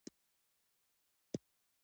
له هغه وخته